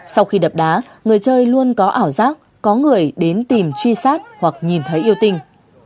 sau khi đập đá người chơi luôn có ảo giác có người đến tìm truy sát hoặc nhìn thấy yêu tinh